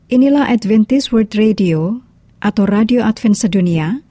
inilah adventist world radio atau radio advent sedunia